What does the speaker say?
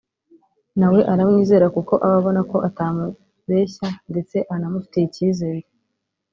nawe aramwizera kuko aba abona ko atamubeshya ndetse anamufitiye icyizere